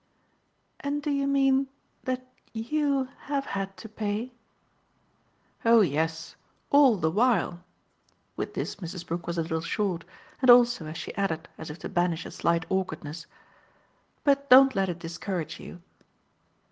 "And do you mean that YOU have had to pay ?" "Oh yes all the while." With this Mrs. Brook was a little short, and also as she added as if to banish a slight awkwardness: "But don't let it discourage you."